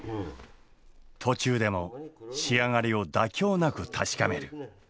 途中でも仕上がりを妥協なく確かめる。